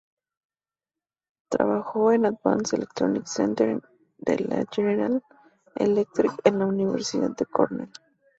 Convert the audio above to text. Trabajó en Advanced Electronics Center de la General Electric en la Universidad de Cornell.